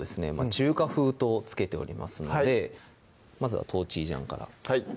「中華風」と付けておりますのでまずは豆醤からはい